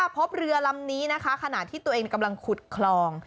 พบเรือลำนี้นะคะขณะที่ตัวเองกำลังขุดคลอง